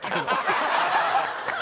ハハハハ！